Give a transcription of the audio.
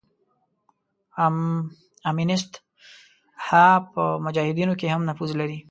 امینست ها په مجاهدینو کې هم نفوذ لري.